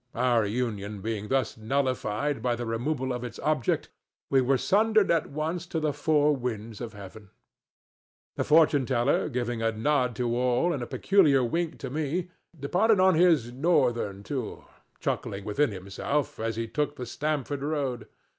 Our union being thus nullified by the removal of its object, we were sundered at once to the four winds of heaven. The fortune teller, giving a nod to all and a peculiar wink to me, departed on his Northern tour, chuckling within himself as he took the Stamford road.